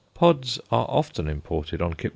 Pods are often imported on _Cyp.